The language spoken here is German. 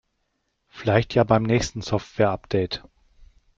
Vielleicht ja beim nächsten Softwareupdate.